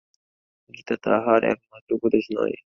গীতা তাঁহার একমাত্র উপদেশ নয়।